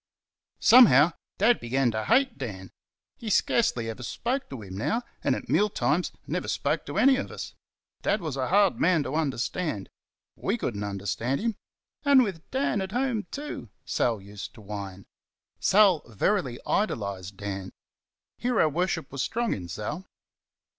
Somehow, Dad began to hate Dan! He scarcely ever spoke to him now, and at meal times never spoke to any of us. Dad was a hard man to understand. We could n't understand him. "And with DAN at home, too!" Sal used to whine. Sal verily idolised Dan. Hero worship was strong in Sal.